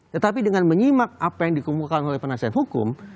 tetapi dengan menyimak apa yang dikemukakan oleh penasihat hukum